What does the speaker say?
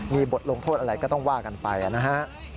มีบทลงโทษอะไรก็ต้องว่ากันไปนะฮะ